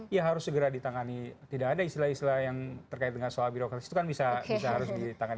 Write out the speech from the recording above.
ya harus segera ditangani tidak ada istilah istilah yang terkait dengan soal birokrasi itu kan bisa harus ditangani